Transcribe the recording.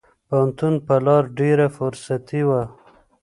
پوهنتون په لار ډېره فرصتي وه.